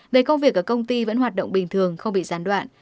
về công việc ở công ty vẫn hoạt động bình thường không bị gián đoạn